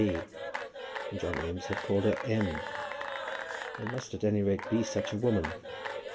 D. And John Eames had called her M. There must, at any rate, be such a woman.